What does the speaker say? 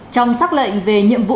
trong xác lệnh về những tội lỗi